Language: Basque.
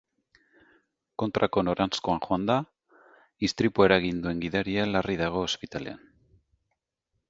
Kontrako noranzkoan joanda istripua eragin duen gidaria larri dago ospitalean.